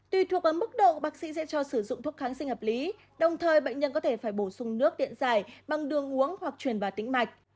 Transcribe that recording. tùy thuộc vào mức độ bác sĩ sẽ cho sử dụng thuốc kháng sinh hợp lý đồng thời bệnh nhân có thể phải bổ sung nước điện dài bằng đường uống hoặc truyền vào tính mạch